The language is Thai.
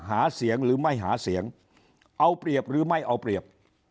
หาเสียงหรือไม่หาเสียงเอาเปรียบหรือไม่เอาเปรียบ